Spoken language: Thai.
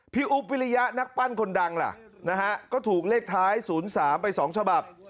พี่อุ๊ปฟิลยะนักปั้นคนดังก็ถูกเลขท้าย๐๓ไป๒ฉบับ